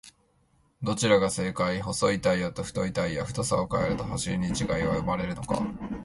どちらが正解!?細いタイヤと太いタイヤ、太さを変えると走りに違いは生まれるのか？